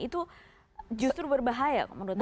itu justru berbahaya menurut anda